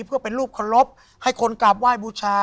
เพื่อเป็นรูปเคารพให้คนกราบไหว้บูชา